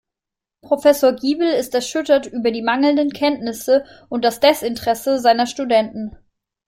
Professor Giebel ist erschüttert über die mangelnden Kenntnisse und das Desinteresse seiner Studenten.